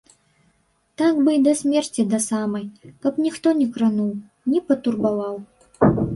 Так бы й да смерці да самай, каб ніхто не крануў, не патурбаваў.